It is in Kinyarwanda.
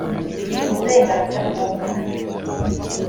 uburenganzira bw’umwana